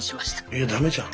いや駄目じゃん。